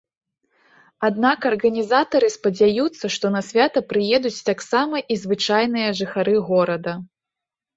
Аднак арганізатары спадзяюцца, што на свята прыедуць таксама і звычайныя жыхары горада.